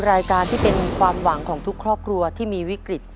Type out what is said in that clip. รายการที่เป็นความหวังของทุกครอบครัวที่มีวิกฤต